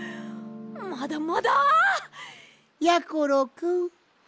まだまだ！やころくん。